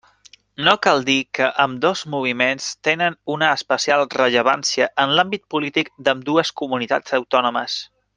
No cal dir que ambdós moviments tenen una especial rellevància en l'àmbit polític d'ambdues comunitats autònomes.